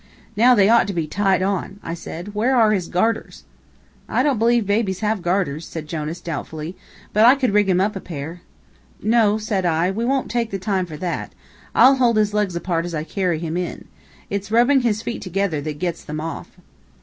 "Now they ought to be tied on," I said, "Where are his garters?" "I don't believe babies have garters," said Jonas, doubtfully, "but I could rig him up a pair." "No," said I; "we wont take the time for that. I'll hold his legs apart, as I carry him in. It's rubbing his feet together that gets them off."